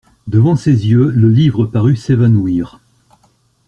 Devant ses yeux, le livre parut s'évanouir.